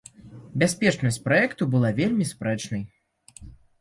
Бяспечнасць праекту была вельмі спрэчнай.